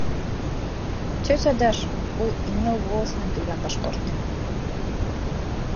— Тетя Даша, ул Имел волосынан килгән башҡорт.